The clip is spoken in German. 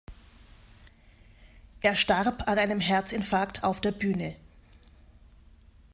Er starb an einem Herzinfarkt auf der Bühne.